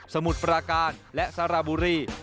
มุดปราการและสระบุรี